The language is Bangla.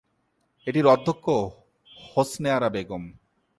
এটির অধ্যক্ষ হোসনে আরা বেগম।